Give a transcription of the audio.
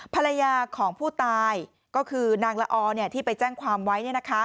ภรรยาของผู้ตายก็คือนางละอที่ไปแจ้งความไว้